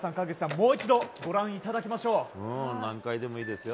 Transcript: もう一度ご覧いただきましょう。